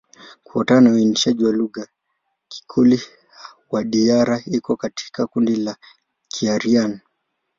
Kufuatana na uainishaji wa lugha, Kikoli-Wadiyara iko katika kundi la Kiaryan.